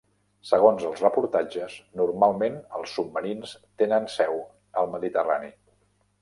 Segons els reportatges, normalment els submarins tenen seu al mediterrani.